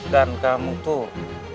dan kamu tuh